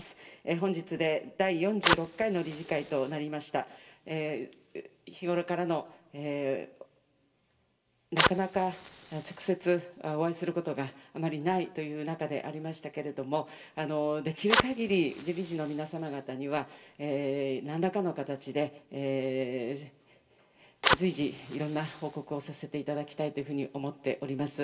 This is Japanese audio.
本日で第４６回の理事会となりました、日頃からの、なかなか直接お会いすることがあまりないという中でありましたけども、できるかぎり、理事の皆様方にはなんらかの形で随時、いろんな報告をさせていただきたいというふうに思っております。